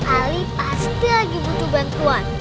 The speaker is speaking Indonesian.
ali pasti lagi butuh bantuan